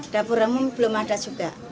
dapur umum belum ada juga